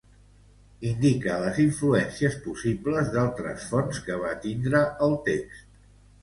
Indica les influències possibles d'altres fonts que va tindre el text.